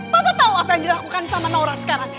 bapak tahu apa yang dilakukan sama naura sekarang